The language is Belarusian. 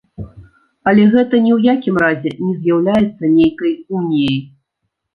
Але гэта ні ў якім разе не з'яўляецца нейкай уніяй.